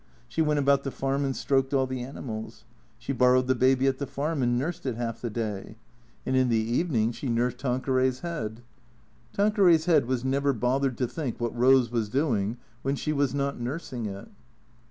She went about the farm and stroked all the animals. She borrowed the baby at the farm and nursed it half the day. And in the evening she nursed Tanqueray's head. Tanqueray's head was never bothered to think what Rose was doing when she was not nursing it.